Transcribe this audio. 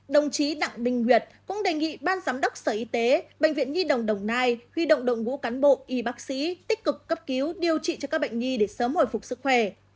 đồng chí đặng đình nguyệt cũng đề nghị ban giám đốc sở y tế bệnh viện nhi đồng đồng nai huy động đội ngũ cán bộ y bác sĩ tích cực cấp cứu điều trị cho các bệnh nhi để sớm hồi phục sức khỏe